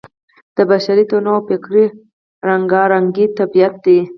د بشري تنوع او فکري رنګارنګۍ طبیعت دی.